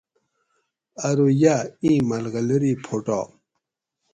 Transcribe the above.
ارو یاۤ ایِں ملغلری پھوٹاۤ